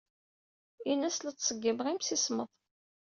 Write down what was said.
Ini-as la ttṣeggimeɣ imsismeḍ.